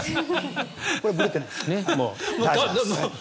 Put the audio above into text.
これはぶれてないですね。